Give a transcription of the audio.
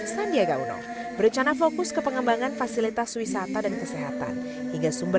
sandiaga uno berencana fokus ke pengembangan fasilitas wisata dan kesehatan hingga sumber